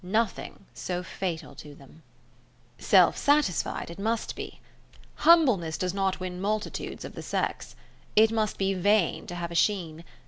Nothing so fatal to them. Self satisfied it must be. Humbleness does not win multitudes or the sex. It must be vain to have a sheen.